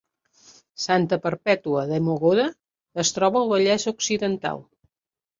Santa Perpètua de Mogoda es troba al Vallès Occidental